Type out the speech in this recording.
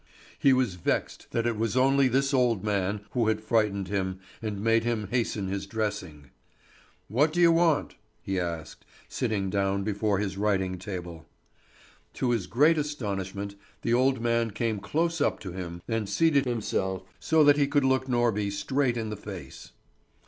He was vexed that it was only this old man who had frightened him and made him hasten his dressing. "What do you want?" he asked, sitting down before his writing table. To his great astonishment the old man came close up to him and seated himself so that he could look Norby straight in the face.